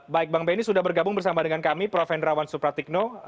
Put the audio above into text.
baik bang benny sudah bergabung bersama dengan kami prof hendrawan supratikno